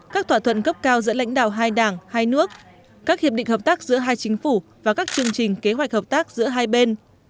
các thỏa thuận cấp cao giữa lãnh đạo hai đảng hai nước các hiệp định hợp tác giữa hai chính phủ và các chương trình kế hoạch hợp tác giữa hai bên